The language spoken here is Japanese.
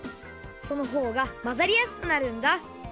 そのほうがまざりやすくなるんだ。